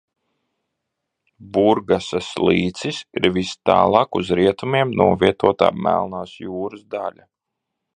Burgasas līcis ir vistālāk uz rietumiem novietotā Melnās jūras daļa.